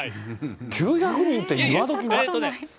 ９００人って、今どき。